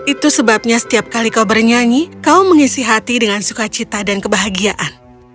itu sebabnya setiap kali kau bernyanyi kau mengisi hati dengan sukacita dan kebahagiaan